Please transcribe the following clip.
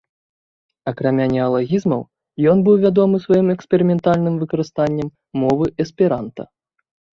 Акрамя неалагізмаў, ён быў вядомы сваім эксперыментальным выкарыстаннем мовы эсперанта.